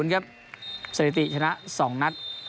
๕๐ครับสถิติชนะ๒นัด